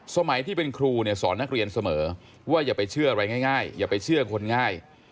สอนนักเรียนเสมอว่าอย่าไปเชื่ออะไรง่ายอย่าไปเชื่อคนง่าย